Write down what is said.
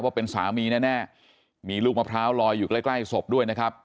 ว่าเป็นสามีแน่มีลูกมะพร้าวลอยอยู่ใกล้ใกล้ศพด้วยนะครับ